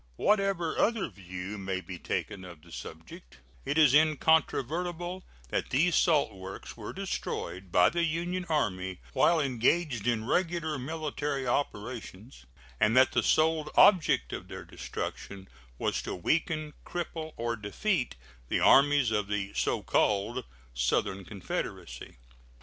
Whatever other view may be taken of the subject, it is incontrovertible that these salt works were destroyed by the Union Army while engaged in regular military operations, and that the sole object of their destruction was to weaken, cripple, or defeat the armies of the so called Southern Confederacy.